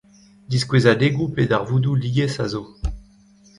Diskouezadegoù pe darvoudoù lies a zo.